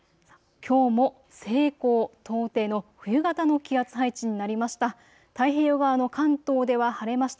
きょうも西高東低の冬型の気圧配置になりました。